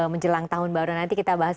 menjelang tahun baru nanti kita bahas